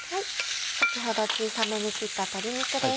先ほど小さめに切った鶏肉です。